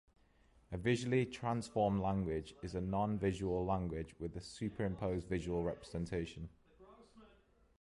A visually transformed language is a non-visual language with a superimposed visual representation.